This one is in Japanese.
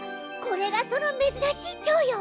これがそのめずらしいチョウよ！